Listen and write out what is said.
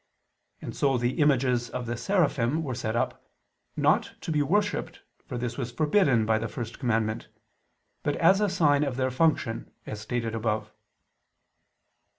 And so the images of the seraphim were set up, not to be worshipped, for this was forbidden by the first commandment; but as a sign of their function, as stated above.